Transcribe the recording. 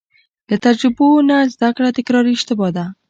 له تجربو نه زده کړه تکراري اشتباه ده.